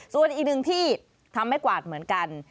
ส่วนอีกหนึ่งที่ทำให้กวาดเหมือนกัน